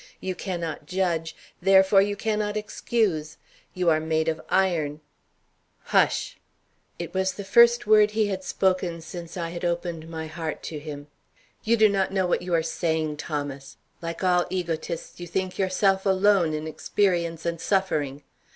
You cannot judge; therefore you cannot excuse. You are made of iron " "Hush!" It was the first word he had spoken since I had opened my heart to him. "You do not know what you are saying, Thomas. Like all egotists, you think yourself alone in experience and suffering.